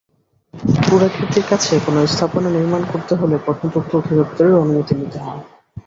পুরাকীর্তির কাছে কোনো স্থাপনা নির্মাণ করতে হলে প্রত্নতত্ত্ব অধিদপ্তরের অনুমতি নিতে হয়।